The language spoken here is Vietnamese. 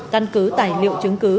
tăn cứ tài liệu chứng cứ